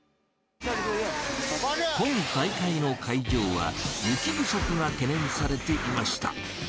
今大会の会場は、雪不足が懸念されていました。